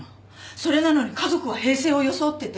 それなのに家族は平静を装ってて。